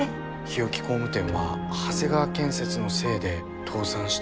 日置工務店は長谷川建設のせいで倒産したのかも。